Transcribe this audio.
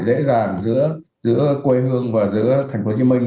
dễ dàng giữa quê hương và giữa thành phố hồ chí minh